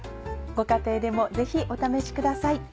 ご家庭でもぜひお試しください。